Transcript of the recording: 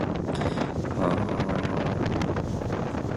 Players score points during the play.